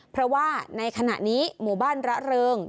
เพราะว่าในขณะนี้หมู่บ้านระเริง